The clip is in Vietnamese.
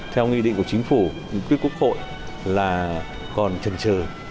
theo nghị định của chính phủ quyết quốc hội là còn trần trời